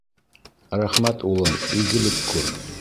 — Рәхмәт, улым, игелек күр.